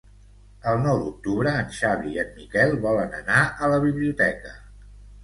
El nou d'octubre en Xavi i en Miquel volen anar a la biblioteca.